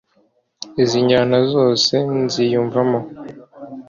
Izi njyana zose nziyumvamo